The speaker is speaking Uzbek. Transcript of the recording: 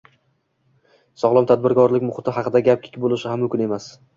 sog‘lom tadbirkorlik muhiti haqida gap bo‘lishi ham mumkin emas.